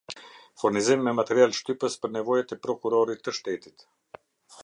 Furnizim me material shtypës për nevojat e Prokurorit të Shtetit